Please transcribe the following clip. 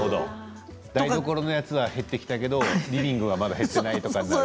台所のやつは減ってきたけどリビングのやつは減っていないと。